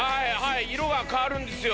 色が変わるんですよ。